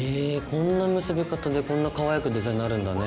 こんな結び方でこんなかわいくデザインなるんだね。